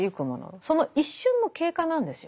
その一瞬の経過なんですよね。